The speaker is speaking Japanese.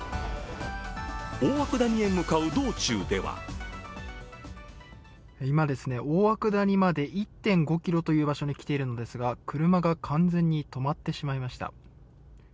大涌谷へ向かう道中では今、大涌谷まで１．５ｋｍという場所に来ているのですが車が完全に止まってしまいました。